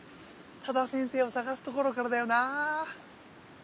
多田先生を探すところからだよな。